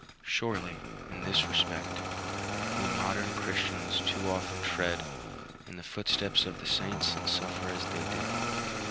Surely, in this respect, we modern Christians too often tread in the footsteps of the saints and suffer as they did.